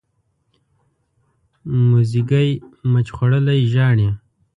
موزیګی مچ خوړلی ژاړي.